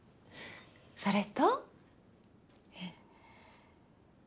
それと？え。